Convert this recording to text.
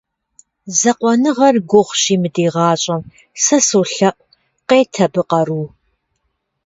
Закъуэныгъэр гугъущи мы ди гъащӏэм, сэ солъаӏуэ — къет абы къару.